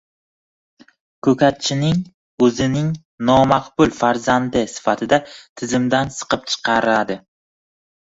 ko‘katchini o‘zining nomaqbul farzandi sifatida tizimdan siqib chiqaradi